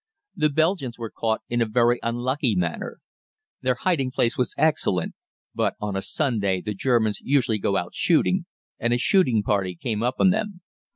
The Belgians were caught in a very unlucky manner. Their hiding place was excellent, but on a Sunday the Germans usually go out shooting, and a shooting party came on them.